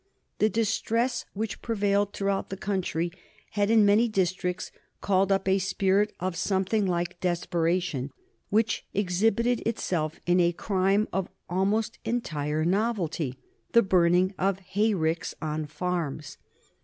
The distress which prevailed throughout the country had in many districts called up a spirit of something like desperation, which exhibited itself in a crime of almost entire novelty, the burning of hayricks on farms.